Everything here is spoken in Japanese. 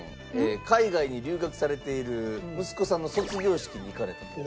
海外に留学されている息子さんの卒業式に行かれたと。